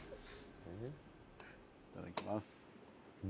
いただきます。